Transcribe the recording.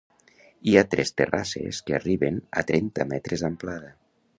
Hi ha tres terrasses que arriben a trenta metres d'amplada.